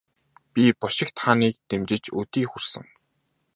Би бошигт хааныг дэмжиж өдий хүрсэн.